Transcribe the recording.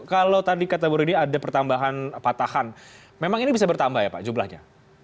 kalau tadi kata bu rini ada pertambahan patahan memang ini bisa bertambah ya pak jumlahnya